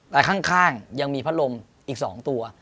แต่ข้างยังมีพัดลมอีก๒ตัว